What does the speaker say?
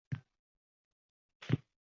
Chekka qishloqda zamonaviy shifo maskaning